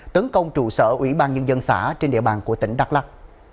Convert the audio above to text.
tấn công trụ sở ủy ban nhân dân xã trên địa bàn của tỉnh đắk lắc